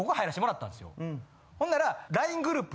ほんなら。